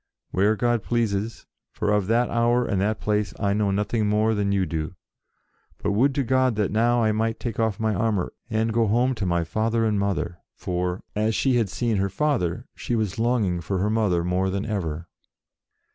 "Where God pleases, for of that hour and that place I know nothing more than you do. But would to God that now I might take off my armour, and go home to my father and mother," for, as she had THE DAUPHIN IS CROWNED 71 seen her father, she was longing for her mother more than ever.